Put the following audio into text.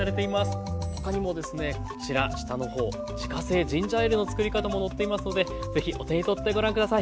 他にもですねこちら下の方自家製ジンジャーエールの作り方も載っていますので是非お手に取ってご覧下さい。